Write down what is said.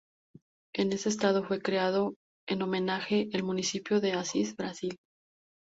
En ese estado fue creado, en homenaje, el municipio de Assis Brasil.